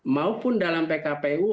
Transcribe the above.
maupun dalam pkpu